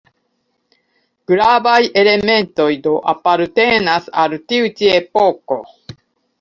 Gravaj elementoj do apartenas al tiu ĉi epoko.